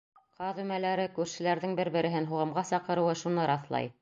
Ҡаҙ өмәләре, күршеләрҙең бер-береһен һуғымға саҡырыуы шуны раҫлай.